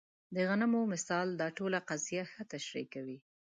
د غنمو مثال دا ټوله قضیه ښه تشریح کوي.